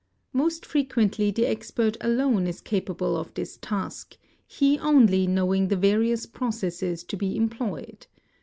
Most frequently the expert alone is capable of this task, he only knowing the various processes to be employed.